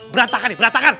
berantakan nih berantakan